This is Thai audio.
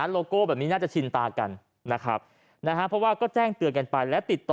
โลโก้แบบนี้น่าจะชินตากันก็แจ้งเตือนกันไปและติดต่อ